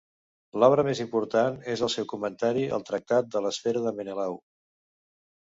L'obra més important és el seu comentari al Tractat de l'Esfera de Menelau.